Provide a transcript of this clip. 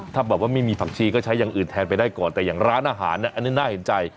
ถ้าแบบว่าไม่มีผักชีก็ใช้อย่างอื่นแทนไปได้ก่อนแต่อย่างร้านอาหารเนี่ยอันนี้น่าเห็นใจ